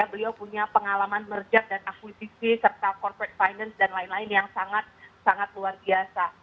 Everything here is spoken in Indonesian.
beliau punya pengalaman merjak dan akuisisi serta corporate finance dan lain lain yang sangat sangat luar biasa